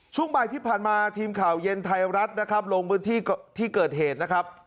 ช่วงบ่ายที่ผ่านมาทีมข่าวเย็นไทยรัฐนะครับลงพื้นที่ที่เกิดเหตุนะครับ